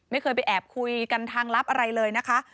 ไม่เคยไปแอบคุยกันทางลับอะไรเลยนะคะ